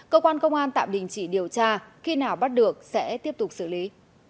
cơ quan công an tạm đình chỉ điều tra khi nào bắt được sẽ tiếp tục xử lý